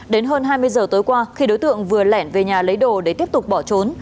đến hơn hai mươi giờ tối qua khi đối tượng vừa lẻn về nhà lấy đồ để tiếp tục bỏ trốn